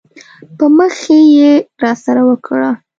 په مخه ښې یې راسره وکړه.